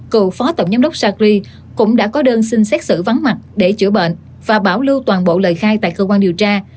cựu phó tổng giám đốc sacri cũng đã có đơn xin xét xử vắng mặt để chữa bệnh và bảo lưu toàn bộ lời khai tại cơ quan điều tra